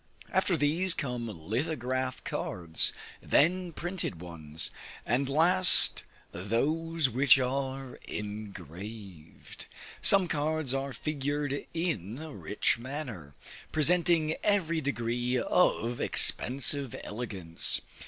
After these, come lithographic cards, then printed ones, and last those which are engraved. Some cards are figured in a rich manner, presenting every degree of expensive elegance.